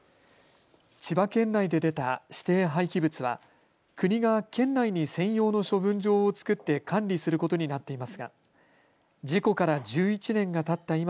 千葉県内で出た指定廃棄物は国が県内に専用の処分場を作って管理することになっていますが事故から１１年がたった